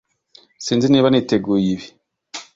sinzi niba niteguye ibi